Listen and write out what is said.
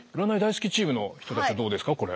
占い大好きチームの人たちはどうですか？